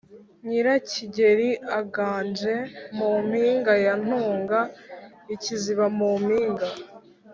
nyirakigeri aganje mu mpinga ya ntunga-ikiziba mu mpinga.